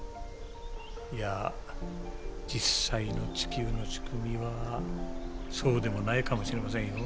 いや実際の地球の仕組みはそうでもないかもしれませんよ。